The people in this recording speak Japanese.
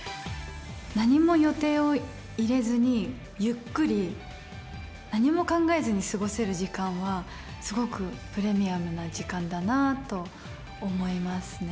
何も予定を入れずに、ゆっくり、何も考えずに過ごせる時間は、すごくプレミアムな時間だなと思いますね。